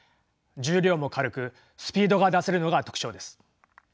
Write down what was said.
重量も軽くスピードが出せるのが特徴です。